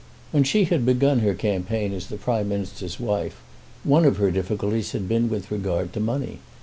When she had begun her campaign as the Prime Minister's wife, one of her difficulties had been with regard to money.